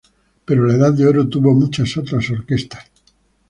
Pero la edad de oro tuvo muchas otras orquestas.